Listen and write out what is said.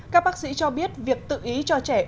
các bác sĩ cho biết việc tự ý cho trẻ